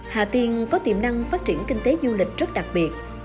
hà tiên có tiềm năng phát triển kinh tế du lịch rất đặc biệt